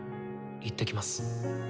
行ってきます。